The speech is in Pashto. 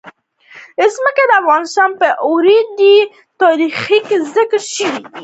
ځمکه د افغانستان په اوږده تاریخ کې ذکر شوی دی.